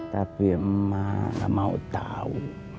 tapi emak gak mau tahu